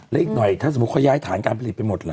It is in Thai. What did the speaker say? และอีกหน่อยถ้าสมมุติเขาย้ายฐานการผลิตไปหมดล่ะ